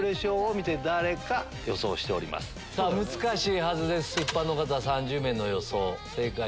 難しいはずです。